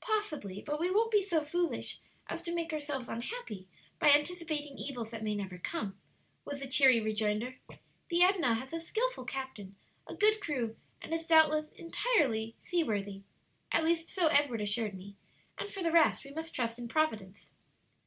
"Possibly; but we won't be so foolish as to make ourselves unhappy by anticipating evils that may never come," was the cheery rejoinder. "The Edna has a skilful captain, a good crew, and is doubtless entirely seaworthy at least so Edward assured me and for the rest we must trust in Providence.